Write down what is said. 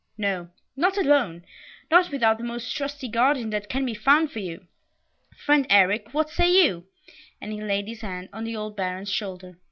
"No, not alone, not without the most trusty guardian that can be found for you. Friend Eric, what say you?" and he laid his hand on the old Baron's shoulder.